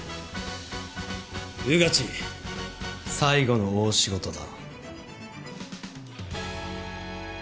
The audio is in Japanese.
穿地最後の大仕事だ。